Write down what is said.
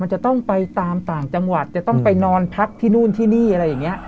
จะต้องไปตามต่างจังหวัดจะต้องไปนอนพักที่นู่นที่นี่อะไรอย่างนี้